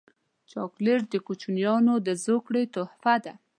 چاکلېټ د کوچنیانو د زوکړې تحفه ده.